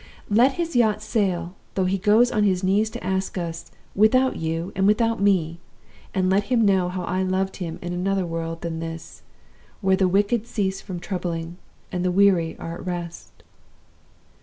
Let his yacht sail, though he goes on his knees to ask us, without you and without me; and let him know how I loved him in another world than this, where the wicked cease from troubling, and the weary are at rest!